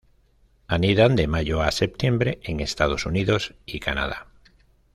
Anidan de mayo a septiembre en Estados Unidos y Canadá.